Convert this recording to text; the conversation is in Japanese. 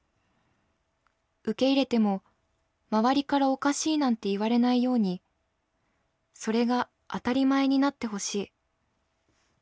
受け入れても周りからおかしいなんて言われないようにそれが当たり前になって欲しい。